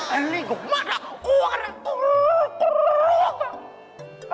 อันนี้ก็มัดอ้ะโอ้โฮ